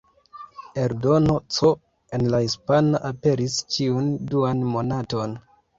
Eldono C, en la hispana, aperis ĉiun duan monaton.